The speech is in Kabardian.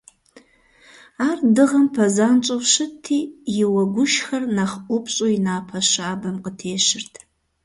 Ар дыгъэм пэзанщӀэу щытти, и уэгушхэр нэхъ ӀупщӀу и напэ щабэм къытещырт.